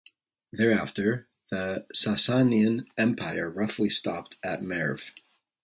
Thereafter the Sasanian Empire roughly stopped at Merv.